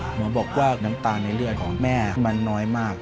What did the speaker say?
หมอบอกว่าน้ำตาลในเลือดของแม่มันน้อยมาก